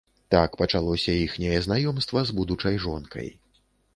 Так пачалося іхняе знаёмства, з будучай жонкай.